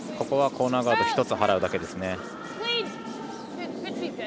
ここはコーナーガード１つ払うだけですね。